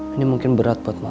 ini mungkin berat buat makan